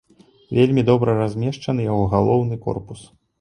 Вельмі добра размешчаны яго галоўны корпус.